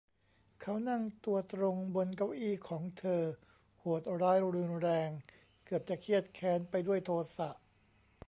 เขานั่งตัวตรงบนเก้าอี้ของเธอ โหดร้ายรุนแรง เกือบจะเคียดแค้นไปด้วยโทสะ